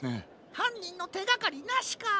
はんにんのてがかりなしか。